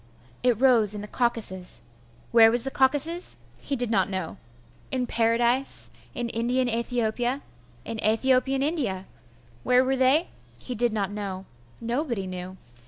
It rose in the Caucasus. Where was the Caucasus? He did not know. In Paradise in Indian Aethiopia in Aethiopian India. Where were they? He did not know. Nobody knew.